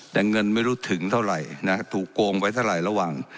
แต่เงินไม่รู้ถึงเท่าไหร่นะถูกโกงไว้เท่าไหร่ระหว่าง